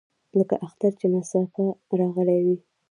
لکه اختر چې ناڅاپه راغلی وي.